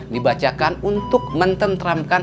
dibacakan untuk mententramkan